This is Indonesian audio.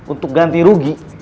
untuk ganti rugi